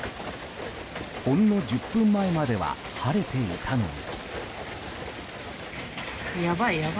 ほんの１０分前までは晴れていたのに。